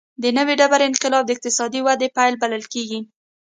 د نوې ډبرې انقلاب د اقتصادي ودې پیل بلل کېږي.